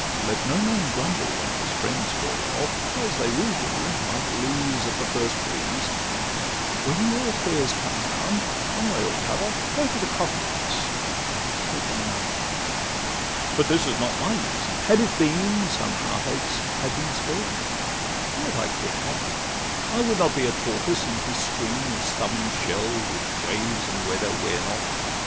Let no man grumble when his friends fall off, As they will do like leaves at the first breeze: When your affairs come round, one way or t' other, Go to the coffee house, and take another. But this is not my maxim: had it been, Some heart aches had been spared me: yet I care not— I would not be a tortoise in his screen Of stubborn shell, which waves and weather wear not.